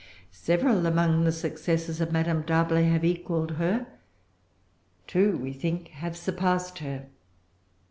Several among the successors of Madame D'Arblay have equalled her; two, we think, have surpassed her.